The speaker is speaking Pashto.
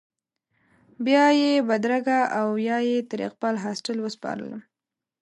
بیا یې بدرګه او یا یې تر اقبال هاسټل وسپارم.